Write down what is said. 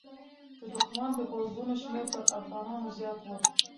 د دښمن د پوځونو شمېر تر افغانانو زیات و.